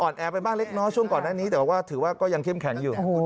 น่าสนใจทั้งนั้น